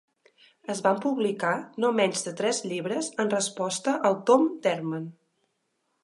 Es van publicar no menys de tres llibres en resposta al tom d'Ehrman.